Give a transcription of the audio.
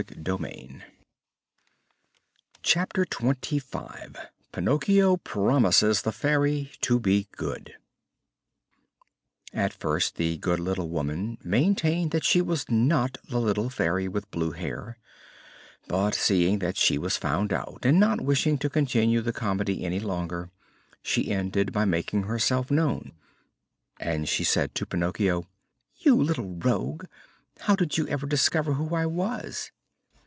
CHAPTER XXV PINOCCHIO PROMISES THE FAIRY TO BE GOOD At first the good little woman maintained that she was not the little Fairy with blue hair, but, seeing that she was found out and not wishing to continue the comedy any longer, she ended by making herself known, and she said to Pinocchio: "You little rogue! how did you ever discover who I was?"